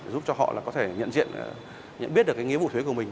giúp cho họ là có thể nhận diện nhận biết được cái nghĩa vụ thuế của mình